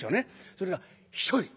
それが１人。